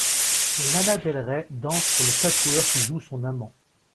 Lana Del Rey danse pour le tatoueur qui joue son amant.